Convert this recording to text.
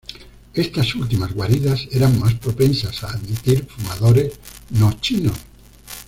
Estas últimas guaridas eran más propensas a admitir fumadores no chinos.